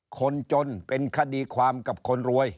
คนจนเป็นคดีความกับคนรวย